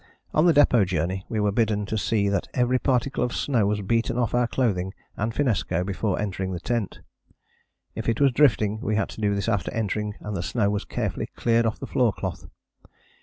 On the Depôt Journey we were bidden to see that every particle of snow was beaten off our clothing and finnesko before entering the tent: if it was drifting we had to do this after entering and the snow was carefully cleared off the floor cloth.